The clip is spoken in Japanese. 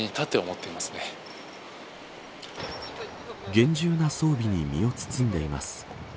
厳重な装備に身を包んでいます。